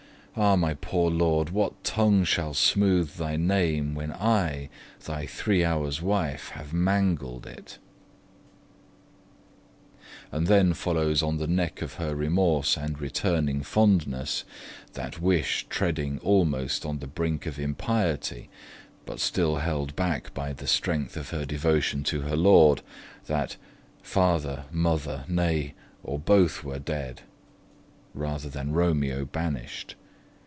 Ah my poor lord, what tongue shall smooth thy name, When I, thy three hours' wife, have mangled it? And then follows on the neck of her remorse and returning fondness, that wish treading almost on the brink of impiety, but still held back by the strength of her devotion to her lord, that 'father, mother, nay, or both were dead', rather than Romeo banished.